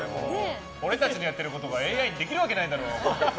俺たちがやってることがＡＩにできるわけないだろ。